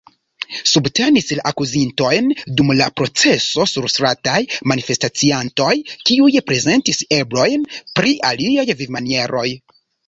Subtenis la akuzintojn dum la proceso surstrataj manifestaciantoj, kiuj prezentis eblojn pri aliaj vivmanieroj.